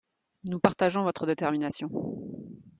Nous partageons votre détermination.